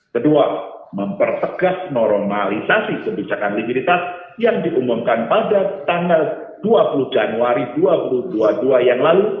kedua mempertegas normalisasi kebijakan likuiditas yang diumumkan pada tanggal dua puluh januari dua ribu dua puluh dua yang lalu